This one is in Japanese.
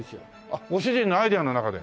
あっご主人のアイデアの中で。